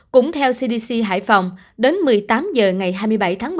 cũng theo cdc hải phòng đến một mươi tám h ngày hai mươi bảy tháng một mươi